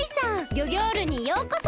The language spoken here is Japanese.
ギョギョールにようこそ。